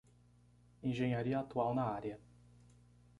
Engenharia atual na área